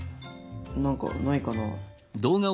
何かないかな？